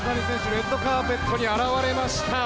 レッドカーペットに現れました。